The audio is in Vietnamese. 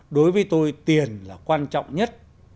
đối với tôi tiền là quan trọng nhất